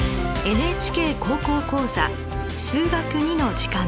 「ＮＨＫ高校講座数学Ⅱ」の時間です。